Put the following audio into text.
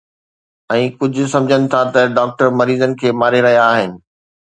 ۽ ڪجهه سمجهن ٿا ته ڊاڪٽر مريضن کي ماري رهيا آهن.